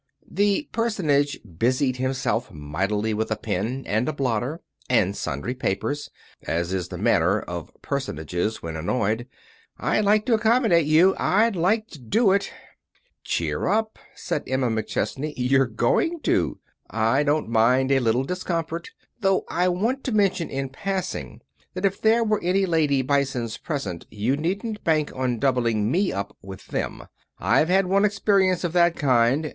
The personage busied himself mightily with a pen, and a blotter, and sundry papers, as is the manner of personages when annoyed. "I'd like to accommodate you; I'd like to do it." "Cheer up," said Emma McChesney, "you're going to. I don't mind a little discomfort. Though I want to mention in passing that if there are any lady Bisons present you needn't bank on doubling me up with them. I've had one experience of that kind.